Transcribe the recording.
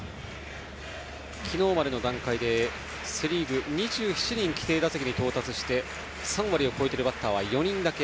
昨日までの段階でセ・リーグは２７人、規定打席に到達して３割を超えているバッターは４人だけ。